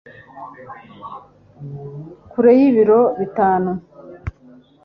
kure y'ibiro bitanu